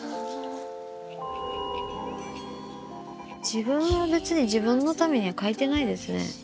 自分は別に自分のためには描いてないですね。